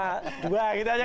tidak kurangi nahok ya